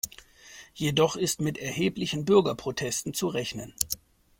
Jedoch ist mit erheblichen Bürgerprotesten zu rechnen.